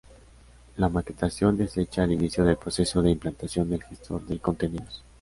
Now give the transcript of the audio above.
La maquetación es hecha al inicio del proceso de implantación del gestor de contenidos.